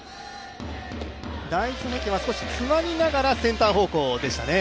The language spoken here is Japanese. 第１打席は少し詰まりながらセンター方向でしたね。